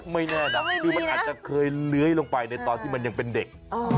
ไม่แน่นะคือมันอาจจะเคยเลื้อยลงไปในตอนที่มันยังเป็นเด็ก